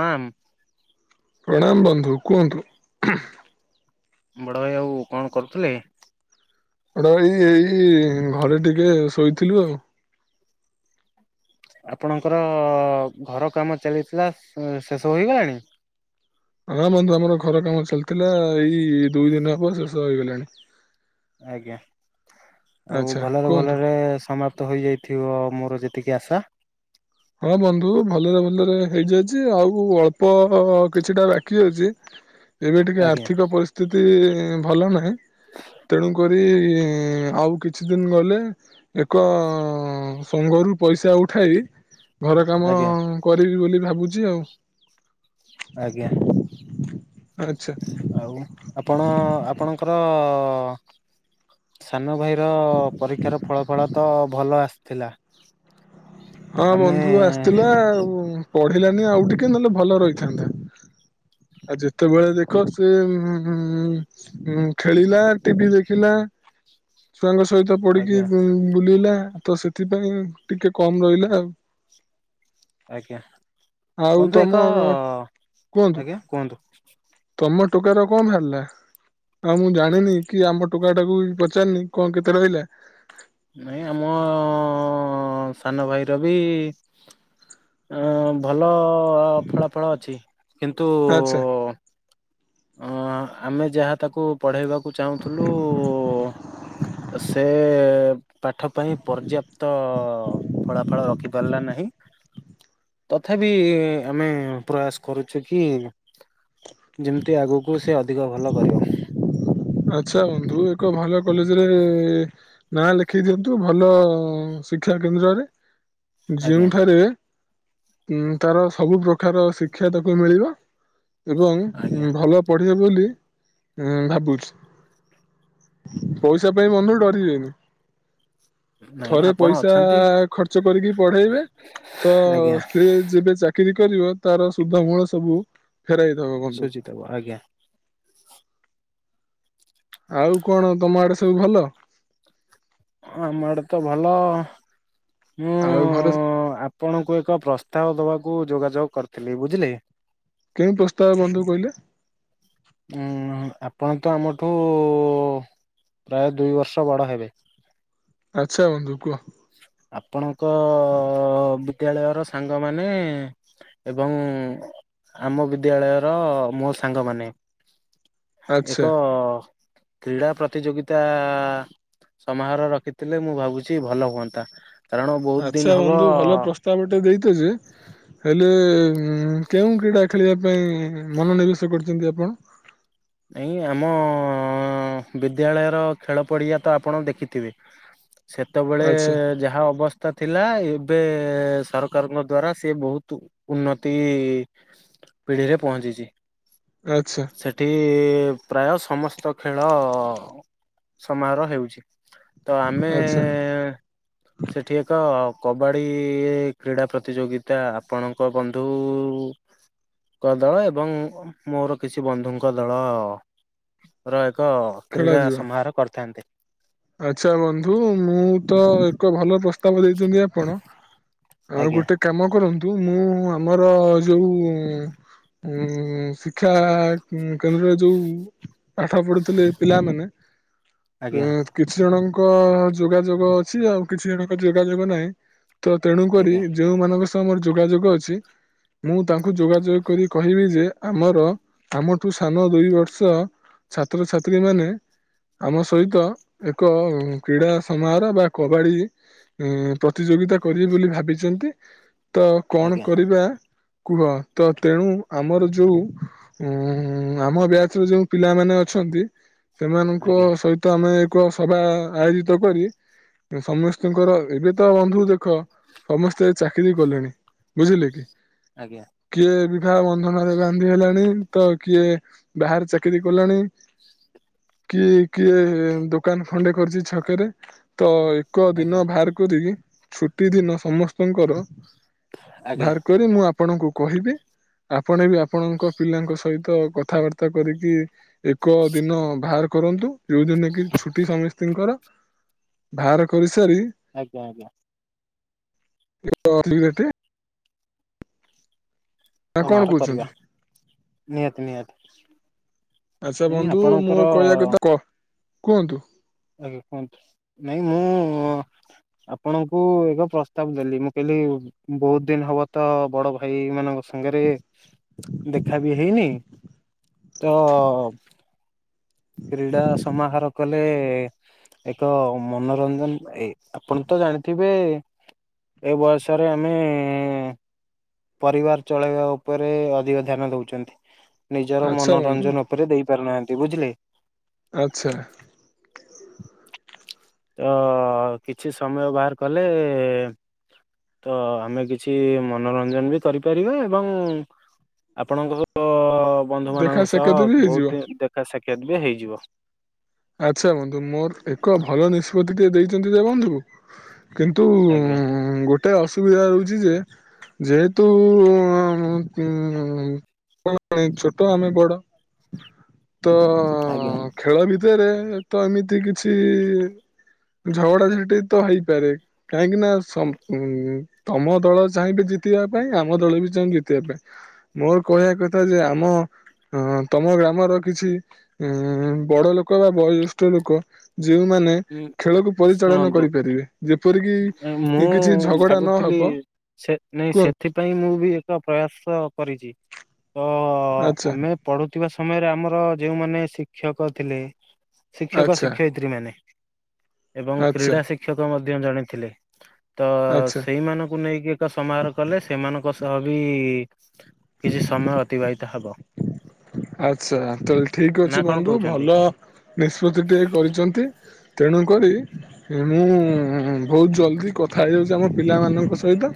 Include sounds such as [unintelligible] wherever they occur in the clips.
ମାମ। ପ୍ରଣାମ ବନ୍ଧୁ କୁହନ୍ତୁ। ବଡ଼ ଭାଇ ଆଉ କଣ କରୁଥିଲେ? ବଡ ଭାଇ ଏଇ ଘରେ ଟିକେ ଶୋଇଥିଲୁ ଆଉ। ଆପଣଙ୍କର ଘର କାମ ଚାଲିଥିଲା ଉଁ ଶେଷ ହୋଇଗଲାଣି? ହଁ ବନ୍ଧୁ ଆମର ଘର କାମ ଚାଲିଥିଲା ଏଇ ଦୁଇଦିନ ହବ ଶେଷ ହେଇଗଲାଣି। ଆଜ୍ଞା ଆଉ ଆଚ୍ଛା ଭଲରେ କୁହନ୍ତୁ। ଭଲରେ ସମାପ୍ତ ହୋଇଯାଇ ଥିବ ମୋର ଯେତିକି ଆଶା। ହଁ ବନ୍ଧୁ ଭଲରେ ଭଲରେ ହେଇଯାଇଛି ଆଉ ଅଳ୍ପ କିଛିଟା ଵା କି ଅଛି ଏବେ ଟିକେ ଆଜ୍ଞା ଆର୍ଥିକ ପରିସ୍ଥିତି ଭଲ ନାହିଁ। ତେଣୁ କରି ଆଉ କିଛି ଦିନ ଗଲେ। ଏକ ସଂଘ ରୁ ପଇସା ଉଠାଇ। ଘର କାମ ଆଜ୍ଞା କରିବି ବୋଲି ଭାବୁଛି ଆଉ। ଆଜ୍ଞା। ଆଚ୍ଛା। ଆଉ ଆପଣ ଆପଣଙ୍କର। ସାନ ଭାଇର ପରୀକ୍ଷାର ଫଳାଫଳ ତ ଭଲ ଆସିଥିଲା। ହଁ ଆମେ ବନ୍ଧୁ ଆସିଥିଲା ଆଉ ପଢିଲାନି ଆଉ ଟିକେ ନହେଲେ ଭଲ ରହିଥାନ୍ତା। ଆଉ ଯେତେବେଳେ ଦେଖ ସେ ଉଁ। ଉଁ ଖେଳିଲା, ଟିଭି ଦେଖିଲା। ଛୁଆଙ୍କ ସହିତ ପଡିକି ଆଜ୍ଞା [unintelligible] ବୁଲିଲା ତ ସେଥିପାଇଁ ଟିକେ କମ ରହିଲା ଆଉ। ଆଜ୍ଞା ଆଉ ବନ୍ଧୁ ତମ ଏକ କୁହନ୍ତୁ ଆଜ୍ଞା କୁହନ୍ତୁ। ତମ ଟୋକାର କଣ ବାହାରିଲା? ଆଉ ମୁଁ ଜାଣିନି କି ଆମ ଟୋକା ଟାକୁ ବି ପଚାରିନି କଣ କେତେ ରହିଲା। ନାଇଁ ଆମ ଅ ଅ ସାନ ଭାଇର ବି ଅ ଭଲ ଫଳା ଫଳ ଅଛି କିନ୍ତୁ ଆଚ୍ଛା ଆମେ ଯାହା ତାକୁ ପଢ଼େଇବାକୁ ଚାହୁଁଥିଲୁ ସେ ପାଠ ପାଇଁ ପର୍ଯ୍ୟାପ୍ତ ଫଳା ଫଳ ରଖି ପାରିଲା ନାହିଁ। ତଥାପି ଆମେ ପ୍ରୟାସ କରୁଛୁ କି ତି ଆଗକୁ ସେ ଅଧିକ ଭଲ କରିବ। ଆଛା ବନ୍ଧୁ ଏକ ଭଲ କଲେଜରେ ନାଁ ଲେଖେଇ ଦିଅନ୍ତୁ ଭଲ ଶିକ୍ଷା କେନ୍ଦ୍ରରେ ଆଜ୍ଞା ଯେଉଁଠାରେ ଉ ତାର ସବୁ ପ୍ରକାର ଶିକ୍ଷା ତାକୁ ମିଳିବ ଏବଂ ଆଜ୍ଞା ଭଲ ପଢିବେ ବୋଲି ଉ ଭାବୁଛି। ପଇସା ପାଇଁ ବନ୍ଧୁ ଡରିବେନି। ନାଇଁ ଥରେ ଆପଣ ପଇସା ଅଛନ୍ତି ଖର୍ଚ୍ଚ କରିକି ପଢେଇବେ ତ ଆଜ୍ଞା ସେ ଯେବେ ଚାକ ଚାକିରି କରିବ ତାର ସୁଧ ମୂଳ ସବୁ ଫେରାଇ ଦବ ବନ୍ଧୁ। ତ ଆଜ୍ଞା। ଆଉ କଣ ତମ ଆଡେ ସବୁ ଭଲ? ହଁ ଆମ ଆଡେ ତ ଭଲ ମୁଁ ଆ ଆଉ ଘରେ ଆପଣଙ୍କୁ ଏକ ପ୍ରସ୍ତାବ ଦବାକୁ ଯୋଗାଯୋଗ କରିଥିଲି ବୁଝିଲେ। କେଉଁ ପ୍ରସ୍ତାବ ବନ୍ଧୁ କହିଲେ? ଉଁ ଆପଣ ତ ଆମଠୁ ପ୍ରାୟ ଦୁଇ ବର୍ଷ ବଡ଼ ହେବେ। ଆଚ୍ଛା ବନ୍ଧୁ କୁହ। ଆପଣଙ୍କ ବିଦ୍ୟାଳୟର ସାଙ୍ଗମାନେ ଏବଂ ଆମ ବିଦ୍ୟାଳୟର ମୋ ସାଙ୍ଗମାନେ ଆଚ୍ଛା ଏକ କ୍ରୀଡ଼ା ପ୍ରତିଯୋଗିତା ସମାହାର ରଖିଥିଲେ ମୁଁ ଭାବୁଛି ଭଲ ହୁଅନ୍ତା। କାରଣ ବହୁତ ଦିନ ଆଚ୍ଛା ହବ ବନ୍ଧୁ ଭଲ ପ୍ରସ୍ତାବ ଟେ ଦେଇଚ ଯେ ହେଲେ କେଉଁ କ୍ରୀଡ଼ା ଖେଳିବା ପାଇଁ ମନୋନିବେଶ କରିଛନ୍ତି ଆପଣ? ନାଇଁ ଆମ ବିଦ୍ୟାଳୟର ଖେଳ ପଡିଆ ତ ଆପଣ ଦେଖିଥିବେ। ସେତେବେଳେ ଆଚ୍ଛା ଯାହା ଅବସ୍ଥା ସ୍ତା ଥିଲା ଏବେ ସରକାରଙ୍କ ଦ୍ଵାରା ସେ ବହୁତ ଉନ୍ନତି ପିଢ଼ିରେ ପହଞ୍ଚିଛି। ଆଚ୍ଛା। ସେଠି ପ୍ରାୟ ସମସ୍ତ ଖେଳ ସମାରୋହ ହେଉଛି। ତ ଆମେ ଆଚ୍ଛା ସେଠି ଏକ କବାଡ଼ି କ୍ରୀଡ଼ା ପ୍ରତିଯୋଗିତା ଆପଣଙ୍କ ବନ୍ଧୁଙ୍କ ଦଳ ଏବଂ ମୋର କିଛି ବନ୍ଧୁଙ୍କ ଦଳ ର ଏକ କ୍ରୀଡ଼ା ଖେଳାଯିବା ସମାହାର କରିଥାନ୍ତେ। ଆଚ୍ଛା ବନ୍ଧୁ ମୁଁ ତ ଏକ ଭଲ ପ୍ରସ୍ତାବ ଦେଇଛନ୍ତି ଆପଣ ଆଉ ଆଜ୍ଞା ଗୋଟେ କାମ କରନ୍ତୁ ମୁଁ ଆମର ଯୋଉ ଉଁ ଶିକ୍ଷା କେନ୍ଦ୍ରରେ ଯୋଉ ପାଠ ପଢୁଥିଲେ ପିଲାମାନେ ଆଜ୍ଞା କିଛି ଜଣଙ୍କ ଯୋଗାଯୋଗ ଅଛି ଆଉ କିଛି ଜଣଙ୍କ ଯୋଗାଯୋଗ ନାହିଁ ତ ତେଣୁ କରି ଆଜ୍ଞା ଯୋଉମାନଙ୍କ ସହ ମୋର ଯୋଗାଯୋଗ ଅଛି। ମୁଁ ତାଙ୍କୁ ଯୋଗାଯୋଗ କରି କହିବି ଯେ ଆମର ଆମଠୁ ସାନ ଦୁଇ ବର୍ଷ ଛାତ୍ରଛାତ୍ରୀ ମାନେ ଆମ ସହିତ ଏକ କ୍ରୀଡା ସମାହାର ବା କବାଡି ପ୍ରତିଯୋଗିତା କରିବି ବୋଲି ଭାବିଚନ୍ତି। ତ କଣ ଆଜ୍ଞା କରିବା କୁଳ ତ ତେଣୁ ଆମର ଯୋଉ ଉଁ ଆମ ବ୍ୟାଚରେ ଯୋଉ ପିଲାମାନେ ଅଛନ୍ତି ସେମାନଙ୍କ ଆଜ୍ଞା ସହିତ ଆମେ ଏକସଭା ଆୟୋଜିତ କରି ସମସ୍ତିଙ୍କର ଏବେ ତ ବନ୍ଧୁ ଦେଖ ସମସ୍ତେ ଚାକିରି କଲେଣି। ବୁଝିଲେ କି? ଆଜ୍ଞା। କିଏ ଏବିକା ବନ୍ଧନରେ ବାନ୍ଧି ହେଲାଣି। ତ କିଏ ବାହାରେ ଚାକିରି କଲାଣି। କିଏ କିଏ ଦୋ ଦୋକାନ ଖଣ୍ଡେ କରିଛି ଛକରେ। ତ ଏକ ଆଜ୍ଞା ଦିନ ବାହାର କରିକି ଛୁଟି ଦିନ ସମସ୍ତଙ୍କର ଆଜ୍ଞା ବାହାର କରିମୁଁ ଆପଣଙ୍କୁ କହିବି। ଆପଣ ବି ଆପଣଙ୍କ ପିଲାଙ୍କ ସହିତ କଥାବାର୍ତ୍ତା କରିକି ଏକ ଦିନ ବାହାର କରନ୍ତୁ। ଯୋଉଦିନ କି ଛୁଟି ସମିସ୍ତିଙ୍କର ବାହାର କରିସାରି ଆଜ୍ଞା ଆଜ୍ଞା। ତି [inaudible] ନା ହଁ କଣ ଆମର କରିବା କହୁଛନ୍ତି ନିହାତି ନିହାତି। ଆଚ୍ଛା ନାଇଁ ବନ୍ଧୁ ଆପଣଙ୍କର ମୁଁ କହିବା କଥା କ କୁହନ୍ତୁ? ଆଜ୍ଞା କୁହନ୍ତୁ? ନାଇଁ ମୁଁ ଆପଣଙ୍କୁ ଏକ ପ୍ରସ୍ତାବ ଦେଲି। ମୁଁ କହିଲି ବହୁତ୍ ଦିନି ହବ ତ ବଡ ଭାଇ ମାନଙ୍କର- - ସାଙ୍ଗେରେ ଦେଖା ବି ହେଇନି ତ କ୍ରୀଡ଼ା ସମାହାର କଲେ ଏକ ମନୋରଞ୍ଜନ। ଏ ଆପଣ ତ ଜାଣିଥିବେ ଏ ବୟସରେ ଆମେ ପରିବାର ଚଳେଇବା ଉପରେ ଅଧିକ ଧ୍ୟାନ ଦୋଉଚନ୍ତି। ନିଜର ଆଚ୍ଛା ବନ୍ଧୁ ମନୋରଞ୍ଜନ ଉପରେ ଦେଇ ପାରୁନାହାନ୍ତି। ବୁଝିଲେ? ଆଚ୍ଛା। [inaudible] ତ କିଛି ସମୟ ବାହାର କଲେ ତ ଆମେ କିଛି ମନୋରଞ୍ଜନ ବି କରିପାରିବା। ଏବଂ ଆପଣଙ୍କର ବନ୍ଧୁ ଦେଖା ମାନଙ୍କ ସହ ସାକ୍ଷାତ ବି ହେଇଯିବ ବହୁତ୍ ଦେଖା ସାକ୍ଷାତ ବି ହେଇଯିବ। ଆଚ୍ଛା ବନ୍ଧୁ ମୋର ଏକ ଭଲ ନିଷ୍ପତି ଟିକେ ଦେଇଛନ୍ତି ଯେ ବନ୍ଧୁ କିନ୍ତୁ ଆଜ୍ଞା। ହୁଁ ଗୋଟେ ଅସୁବିଧା ରହୁଚି ଯେ ଯେହେତୁ [unintelligible] କଣ ଛୋଟ ଆମେ ବଡ ତ ଆଜ୍ଞା। ଖେଳ ବି ଭିତେରେ ତ ଏମିତି କିଛି ଝଗଡାଝାଣ୍ଟି ତ ହେଇପାରେ। କାହିଁକି ନା ସମ୍ ତମ ଦଳ ଚାହିଁବେ ଜିତିବା ପାଇଁ ଆମ ଦଳ ବି ଚାହିଁବେ ଜିତିବା ପାଇଁ। ମୋରୋ କହିବା କଥା ଯେ ଆମ ହଁ ତମ ଗ୍ରାମର କିଛି ଉ ବଡ ଲୋକ ଲୋକ ବା ବୟୋଜ୍ୟଷ୍ଠ ଲୋକ ଯୋଉଁମାନେ ହୁଁ ଖେଳକୁ ପରିଚାଳନ ଶୁଣନ୍ତୁ କରିପାରିବେ ମୁଁ ଯେପରିକି କିଛି ଝଗଡା ଭାବୁଥିଲି ନହବ। ସେ ନାଇଁ କୁହନ୍ତୁ ସେଥିପାଇଁ ମୁଁ ବି ଏକ ପ୍ରୟାସ କରିଛି। ତ ଆଚ୍ଛା ଆମେ ପଢୁଥିବା ସମୟରେ ଆମର ଯୋଉମାନେ ଶିକ୍ଷକ ଥିଲେ। ଶିକ୍ଷକ ଆଚ୍ଛା ଶିକ୍ଷୟିତ୍ରୀ ମାନେ। ଏବଂ ଆଚ୍ଛା କ୍ରୀଡ଼ା ଶିକ୍ଷକ ମଧ୍ୟ ଜଣେଥିଲେ ତ ଆଚ୍ଛା ସେଇମାନଙ୍କୁ ନେଇକି ସମାରହ କଲେ ସେମାନଙ୍କ ସହ ବି କିଛି ସମୟ ଅତିବାହିତ ହବ। ଆଛା ତାହେଲେ ଠିକ ନା ଅଛି କଣ ବନ୍ଧୁ କହୁଛନ୍ତି? ଭଲ ନିଷ୍ପତ୍ତି ଟିକେ କରିଛନ୍ତି। ତେଣୁକରି ମୁଁ ବହୁତ ଜଲଦି କଥା ହେଇଯାଉଛି ଆମ ପିଲାମାନଙ୍କ ସହିତ।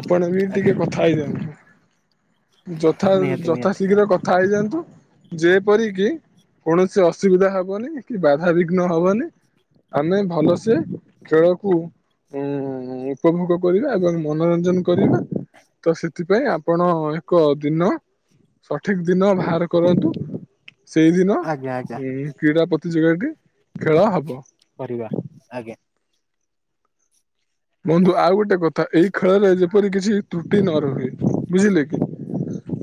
ଆପଣ ଏ ବି ଟିକେ ଆଜ୍ଞା କଥା ହେଇଯାଆନ୍ତୁ ଯଥା ନିହାତି ଯଥା ନିହାତି ଶୀଘ୍ର କଥା ହେଇଯାଆନ୍ତୁ। ଯେପରିକି କୌଣସି ଅସୁବିଧା ହବନି କି ବାଧାବିଘ୍ନ ହବନି। ଆମେ ଭଲସେ ଖେଳକୁ ଉଁ ଉପଭୋଗ କରିବା ଏବଂ ମନୋରଞ୍ଜନ କରିବା। ତ ସେଥିପାଇଁ ଆପଣ ଏକ ଦିନ ସଠିକ ଦିନ ବାହାର କରନ୍ତୁ ସେଇଦିନ ଆଜ୍ଞା ଆଜ୍ଞା। ଉମ୍ କ୍ରୀଡ଼ା ପ୍ରତିଯୋଗିତାଟି ଖେଳ ହବ। କରିବା ଆଜ୍ଞା। ବନ୍ଧୁ ଆଉ ଗୋଟେ କଥା ଏଇ ଖେଳରେ ଯେପରି କିଛି ତ୍ରୁଟି ନ ରହେ ବୁଝିଲେ କି?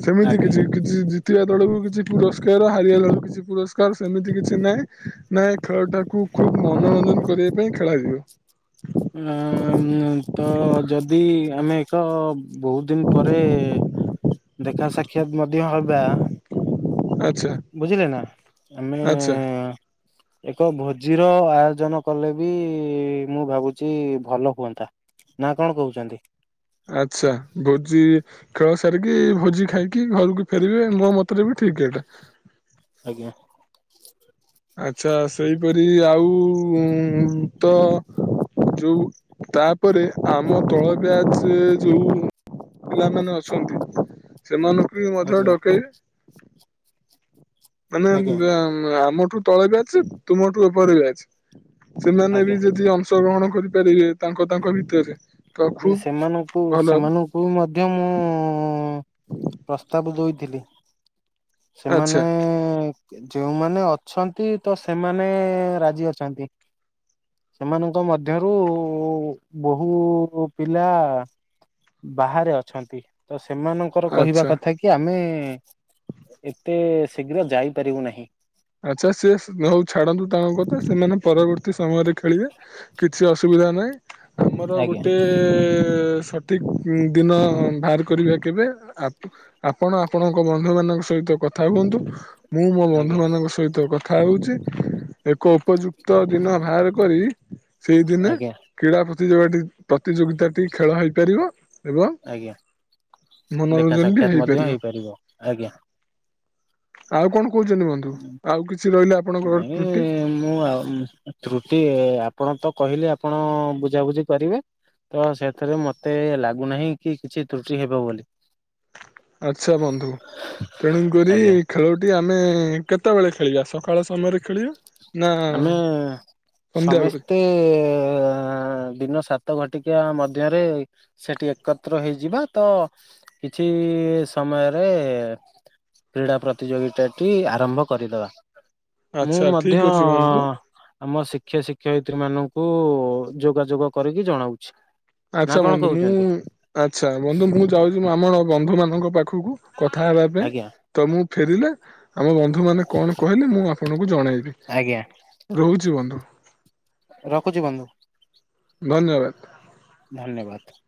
ସେମିତି ଆଜ୍ଞା କିଛି କିଛି ଜିତିବା ଦଳକୁ କିଛି ପୁରସ୍କାର ହାରିବା ଦଳକୁ କିଛି ପୁରସ୍କାର ସେମିତି କିଛି ନାହିଁ। ନାଇଁ ଖେଳଟାକୁ ଖୁବ ମନୋରଞ୍ଜନ କରିବା ପାଇଁ ଖେଳାଯିବ। [unintelligible] ତ ଯଦି ଆମେ ଏକ ବହୁତ ଦିନ ପରେ। ଦେଖା ସାକ୍ଷାତ ମଧ୍ୟ ହବା। ଆଚ୍ଛା। ବୁଝିଲେନା ଆମେ ଆଚ୍ଛା ଏକ ଭୋଜିର ଆୟୋଜନ କଲେ ବି ମୁଁ ଭାବୁଛି ଭଲ ହୁଅନ୍ତା। ନା କଣ କହୁଛନ୍ତି? ଆଚ୍ଛା ଭୋଜି ଖେଳ ସାରିକି ଭୋଜି ଖାଇକି ଘରକୁ ଫେରିବେ ମୋ ମତରେ ବି ଠିକ ଏଇଟା। ଆଜ୍ଞା। ଆଚ୍ଛା ସେଇପରି ଆଉ ତ ଯୋଉ ତାପରେ ଆମ ତଳ ବ୍ୟାଚ୍ ଯୋଉ ପିଲାମାନେ ଅଛନ୍ତି ସେମାନଙ୍କୁ ବି ମଧ୍ୟ ଆଜ୍ଞା ଡକେଇବେ। ଆଜ୍ଞା ମାନେଆମ ଆମ ଆମଠୁ ତଳେ ବ୍ୟାଚ୍ ତୁମଠୁ ଉପର ବ୍ୟାଚ୍। ସେମାନେ ଆଜ୍ଞା ବି ଯଦି ଅଂଶ ଗ୍ରହଣ କରିପାରିବେ ତାଙ୍କ ତାଙ୍କ ଭିତରେ। ତ [unintelligible] ଖୁବ୍ ସେମାନଙ୍କୁ ଭଲ ହବ ସେମାନଙ୍କୁ ମଧ୍ୟ ମୁଁ ପ୍ରସ୍ତାବ ଦଉଥିଲି। ଆଚ୍ଛା ସେମାନେ ଯଉମାନେ ଅଛନ୍ତି ତ ସେମାନେ ରାଜି ଅଛନ୍ତି। ସେମାନଙ୍କ ମଧ୍ୟରୁ ବୋହୁ ପିଲା ବାହାରେ ଅଛନ୍ତି ତ ସେମାନଙ୍କର କହିବା ଆଚ୍ଛା କଥା କି ଆମେ ଏତେ ଶୀଘ୍ର ଯାଇପାରିବୁ ନାହିଁ। ଆଚ୍ଛା ସେ ଯଉ ଛାଡନ୍ତୁ ତାଙ୍କ କଥା ସେମାନେ ପରବର୍ତ୍ତୀ ସମୟରେ ଖେଳିବେ କିଛି ଅସୁବିଧା ନାହିଁ ଆମର ଆଜ୍ଞା ଗୋଟେ ସ ଠିକ୍ ଦିନ ବାହାର କରିବା କେବେ ଆକୁ ଆପଣ ଆପଣଙ୍କ ବନ୍ଧୁ ମାନଙ୍କ ସହିତ କଥା ହୁଅନ୍ତୁ। ମୁଁ ମୋ ଆଜ୍ଞା ବନ୍ଧୁମାନଙ୍କ ସହିତ କଥା ହେଉଛି ଏକ ଉପଯୁକ୍ତ ଦିନ ବାହାର କରି ସେଇଦିନେ ଆଜ୍ଞା କ୍ରୀଡ଼ା ପ୍ରତିଯୋଗଟି ପ୍ରତିଯୋଗିତା ଟି ଖେଳ ହେଇପାରିବ? ଏବଂ ଆଜ୍ଞା ଦେଖା ମନୋରଞ୍ଜନ ବି ସାକ୍ଷାତ ମଧ୍ୟ ହେଇପାରିବ ଆଜ୍ଞା। ଆଉ କଣ କହୁଛନ୍ତି ମ ନାଇଁ ମୁଁ ଆଉ ମୁଁ ତ୍ରୁଟି ଆପଣ ତ କହିଲେ ଆପଣ ବୁଝାବୁଝି କରିବେ। ତ ସେଥିରେ ମତେ ଲାଗୁନାହିଁ କି କିଛି ତ୍ରୁଟି ହେବ ବୋଲି। ଆଚ୍ଛା ବନ୍ଧୁ ତେଣୁକରି ଆଜ୍ଞା ଖେଳ ନ୍ତି ଆମେ କେତେବେଳେ ଖେଳିଆ ସକାଳ ସମୟରେ ଖେଳିଆ। ଆମେ ସନ୍ଧ୍ୟାବେଳେ ସମେସ୍ତେ ହେଁ ଦିନ ସାତ ଘଟିକା ମଧ୍ୟରେ ସେଠି ଏକତ୍ର ହେଇଯିବା ତ କିଛି ସମୟରେ କ୍ରୀଡ଼ା ପ୍ରତିଯୋଗିତାଟି ଆରମ୍ଭ କରିଦେବା। ମୁଁ ଆଚ୍ଛା ମଧ୍ୟ ଠିକ୍ ଅଛି ବନ୍ଧୁ। ଆମ ଶିକ୍ଷ ଶିକ୍ଷୟତ୍ରୀ ମାନଙ୍କୁ ଯୋଗାଯୋଗ କରିକି ଜଣାଉଛି। ନା ଆଚ୍ଛା କଣ ବନ୍ଧୁ ମୁଁ କହୁଛନ୍ତି ଆଚ୍ଛା ବନ୍ଧୁ ମୁଁ ଯାଉଛି ଆମ ବନ୍ଧୁ ମାନଙ୍କ ପାଖକୁ। କଥା ହେବା ପାଇଁ ଆଜ୍ଞା ତ ମୁଁ ଫେରିଲେ ଆମ ବନ୍ଧୁମାନେ କଣ କହିଲେ ମୁଁ ଆପଣଙ୍କୁ ଜଣେଇବି। ଆଜ୍ଞା। ରହୁଛି ବନ୍ଧୁ। ରଖୁଛି ବନ୍ଧୁ। ଧନ୍ୟବାଦ। ଧନ୍ୟବାଦ।